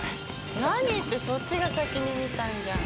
何ってそっちが先に見たんじゃん。